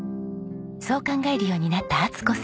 そう考えるようになった充子さん。